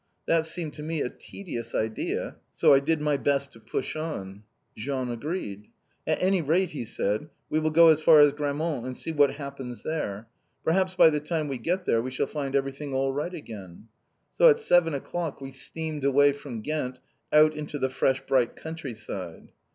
That seemed to me a tedious idea, so I did my best to push on. Jean agreed. "At any rate," he said, "we will go as far as Grammont and see what happens there. Perhaps by the time we get there we shall find everything alright again." So at seven o'clock we steamed away from Ghent, out into the fresh bright countryside.